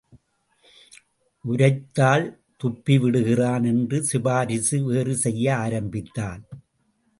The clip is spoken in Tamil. உரைத்தால் துப்பிவிடுகிறான் என்று சிபாரிசு வேறு செய்ய ஆரம்பித்தார்.